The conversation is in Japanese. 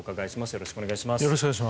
よろしくお願いします。